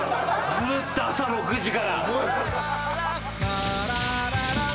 ずっと朝６時から。